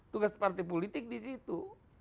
tugas partai politik di situ